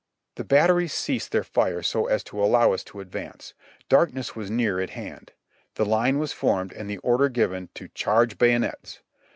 The batteries ceased their fire so as to allow us to advance. Dark ness was near at hand. The line was formed, and the order given to "Charge bayonets